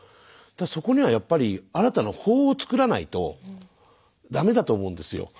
そこにはやっぱり新たな法を作らないとだめだと思うんですよ。